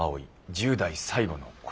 １０代最後の恋」。